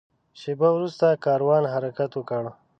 شېبه وروسته کاروان حرکت وکړ.